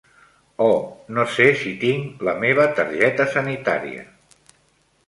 Oh! No sé si tinc la meva targeta sanitària.